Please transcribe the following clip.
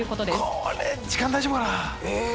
これ時間大丈夫かな？